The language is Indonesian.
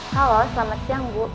halo selamat siang bu